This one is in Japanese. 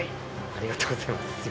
ありがとうございます。